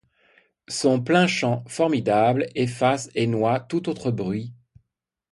Son plain-chant formidable efface et noie tout autre bruit.